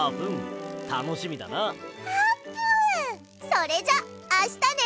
それじゃあしたね！